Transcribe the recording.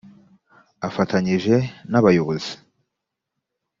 afatanyije nabayobozi